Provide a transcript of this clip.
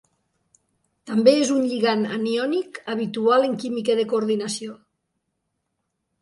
També és un lligand aniònic habitual en química de coordinació.